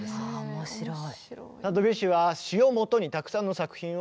面白い。